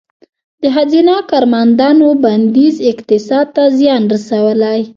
د ښځینه کارمندانو بندیز اقتصاد ته زیان رسولی؟